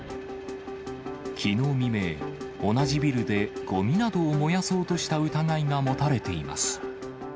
きのう未明、同じビルでごみなどを燃やそうとした疑いが持たれています。